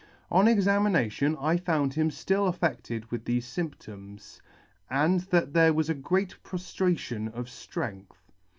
On examination I found him ftill affedted with thefe fymptoms, and that there was a great proftration of ftrength.